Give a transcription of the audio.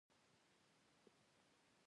بادرنګ تل په ډوډۍ کې خواږه وي.